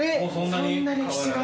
そんなに？